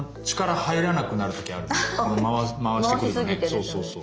そうそうそう。